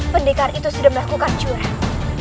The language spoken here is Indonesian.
pendekar itu sudah melakukan curang